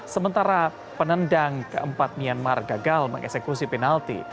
sementara penendang keempat myanmar gagal mengeksekusi penalti